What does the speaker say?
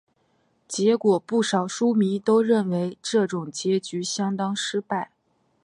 结果不少书迷都认为这种结局相当失败。